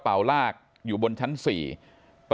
คุณพี่สมบูรณ์สังขทิบ